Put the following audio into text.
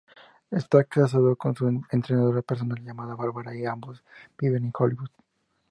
Está casado con una entrenadora personal llamada Barbara y ambos viven en Hollywood.